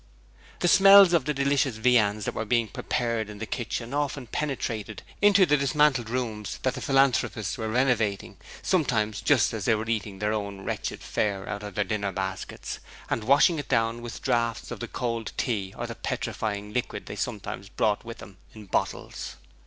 The smells of the delicious viands that were being prepared in the kitchen often penetrated into the dismantled rooms that the philanthropists were renovating, sometimes just as they were eating their own wretched fare out of their dinner basket, and washing it down with draughts of the cold tea or the petrifying liquid they sometimes brought with them in bottles.